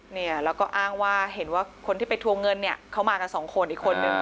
เนี่ยแล้วก็อ้างว่าเห็นว่าคนที่ไปทวงเงินเนี่ยเขามากันสองคนอีกคนนึง